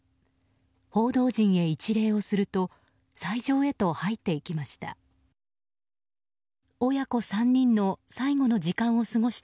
報道陣へ一礼をすると斎場へと入っていきました。